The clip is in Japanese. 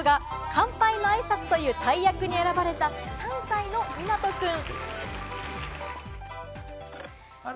乾杯の挨拶という大役に選ばれた３歳のみなとくん。